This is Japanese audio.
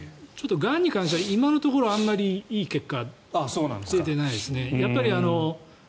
がんに関しては今のところ、あまりいい結果は出ていないですね。